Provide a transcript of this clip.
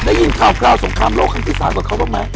ได้ยินคราวสงครามโลกครั้งที่สามกับเขาเปล่าไหม